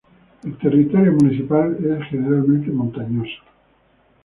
El territorio municipal es generalmente montañoso.